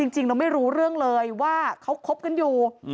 จริงเราไม่รู้เรื่องเลยว่าเขาคบกันอยู่